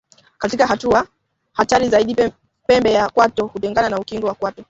Katika hatua hatari zaidi pembe ya kwato hutengana na ukingo wa kwato